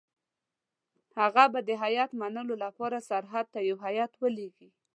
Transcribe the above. هغه به د هیات منلو لپاره سرحد ته یو هیات ولېږي.